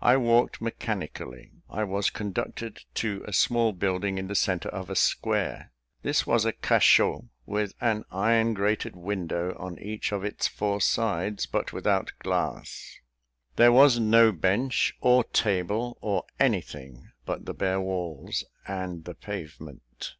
I walked mechanically. I was conducted to a small building in the centre of a square. This was a cachot, with an iron grated window on each of its four sides, but without glass. There was no bench, or table, or anything but the bare walls and the pavement.